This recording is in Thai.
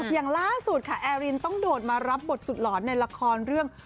อย่างล่าสุดค่ะแอรินต้องโดดมารับบทสุดหลอนในละครเรื่อง